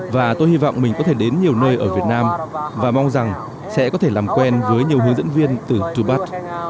và tôi hy vọng mình có thể đến nhiều nơi ở việt nam và mong rằng sẽ có thể làm quen với nhiều hướng dẫn viên từ tourbud